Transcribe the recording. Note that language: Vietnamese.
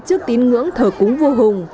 trước tín ngưỡng thờ cúng vô hùng